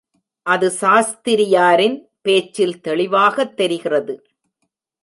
அது சாஸ்திரியாரின் பேச்சில் தெளிவாகத் தெரிகிறது.